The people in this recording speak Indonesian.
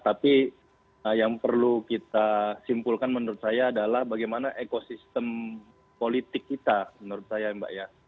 tapi yang perlu kita simpulkan menurut saya adalah bagaimana ekosistem politik kita menurut saya mbak ya